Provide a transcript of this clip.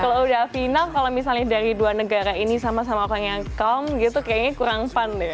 kalau udah final kalau misalnya dari dua negara ini sama sama orang yang kaum gitu kayaknya kurang fun deh